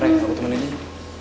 ray aku temenin aja